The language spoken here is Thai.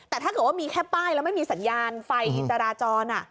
แต่ถ้าเกิดว่ามีแค่ป้ายแล้วไม่มีสัญญาณไฟจราจร